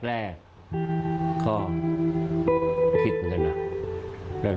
แรกก็คิดเหมือนกันนะ